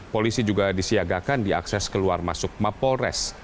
polisi juga disiagakan diakses keluar masuk mapolres